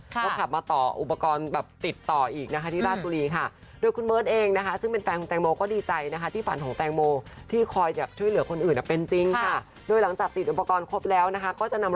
ก็ขับมาต่ออุปกรณ์แบบติดต่ออีกนะค่ะ